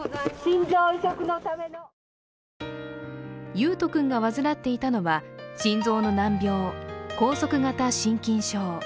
維斗君が患っていたのは心臓の難病、梗塞型心筋症。